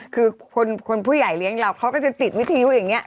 คือคนผู้ใหญ่เลี้ยงเราเขาก็จะติดวิทยุอย่างนี้